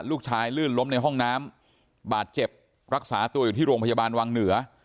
ลื่นล้มในห้องน้ำบาดเจ็บรักษาตัวอยู่ที่โรงพยาบาลวังเหนือ